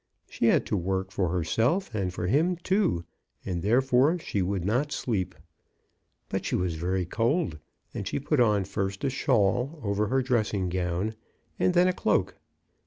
She had to work for • herself and for him too, and therefore she would not sleep. But she was very cold, and she put on first a shawl over her dressing gown and then a cloak.